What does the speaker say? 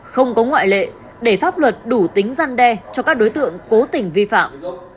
không có ngoại lệ để pháp luật đủ tính gian đe cho các đối tượng cố tình vi phạm